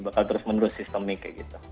bakal terus menerus sistemik kayak gitu